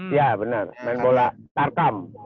iya benar main bola tarkam